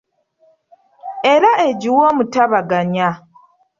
Era egiwe omutabaganya .